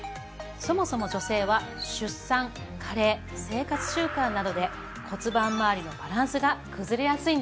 そもそも女性は出産加齢生活習慣などで骨盤まわりのバランスが崩れやすいんです。